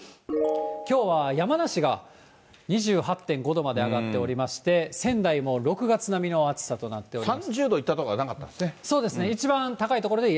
きょうは山梨が２８．５度まで上がっておりまして、仙台も６月並みの暑さとなっております。